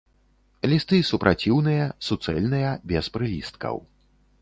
Лісты супраціўныя, суцэльныя, без прылісткаў.